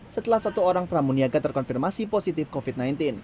setelah satu orang pramuniaga terkonfirmasi positif covid sembilan belas